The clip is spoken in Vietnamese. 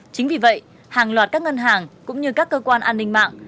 chính vì vậy hàng loạt các ngân hàng cũng như các cơ quan an ninh mạng